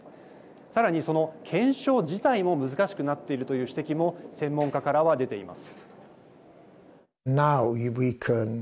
さらに、その検証自体も難しくなっているという指摘も専門家からは出ています。